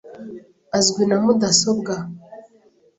Azwi na mudasobwa .